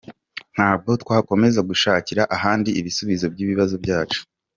Ntabwo twakomeza gushakira ahandi ibisubizo by’ibibazo byacu.”